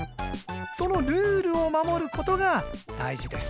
そのルールを守ることが大事です。